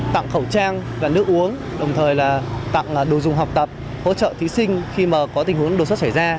tặng khẩu trang và nước uống đồng thời tặng đồ dùng học tập hỗ trợ thí sinh khi có tình huống đồ xuất xảy ra